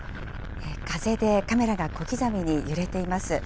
風でカメラが小刻みに揺れています。